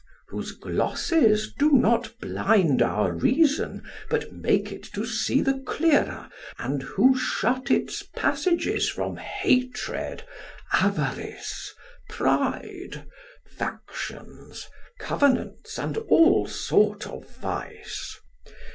Whose glosses do not blind our reason, but Make it to see the clearer, and who shut Its passages from hatred, avarice, Pride, factions, covenants, and all sort of vice.